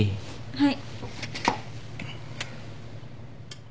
はい。